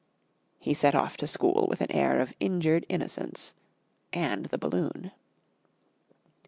He set off to school with an air of injured innocence and the balloon.